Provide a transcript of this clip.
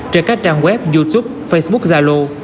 trên các trang web youtube facebook zalo